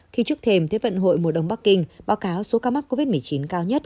thì trước thêm thế vận hội mùa đông bắc kinh báo cáo số ca mắc covid một mươi chín cao nhất